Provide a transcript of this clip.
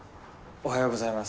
おはようございます。